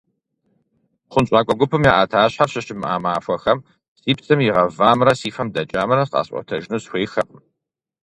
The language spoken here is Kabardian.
ХъунщӀакӀуэ гупым я Ӏэтащхьэр щыщымыӀа махуэхэм си псэм игъэвамрэ си фэм дэкӀамрэ къэсӀуэтэжыну сыхуеиххэкъым.